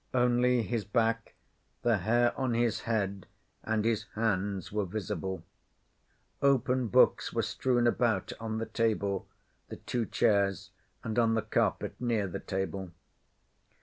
Only his back, the hair on his head and his hands were visible. Open books were strewn about on the table, the two chairs, and on the carpet near the table.